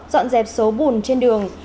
dọn dẹp số bùn trên đường